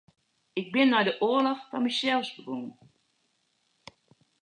Ik bin nei de oarloch foar mysels begûn.